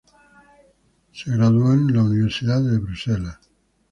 Se graduó en la Universidad de Bruselas.